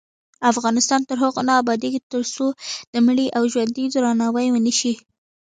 افغانستان تر هغو نه ابادیږي، ترڅو د مړي او ژوندي درناوی ونشي.